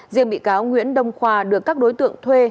riêng bị cáo nguyễn đông khoa được các đối tượng thuê